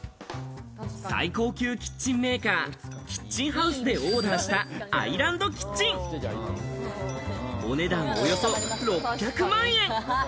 最高級キッチンメーカー、キッチンハウスでオーダーしたアイランドキッチン、お値段およそ６００万円。